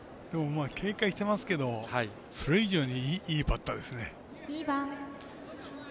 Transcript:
警戒してますけどそれ以上に、いいバッターですね。